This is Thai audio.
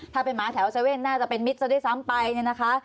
ถ้าเป็นม้าแถว๗๑๑น่าจะเป็นมิสซาเละซ้ำนี่นะคะ